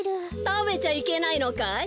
たべちゃいけないのかい？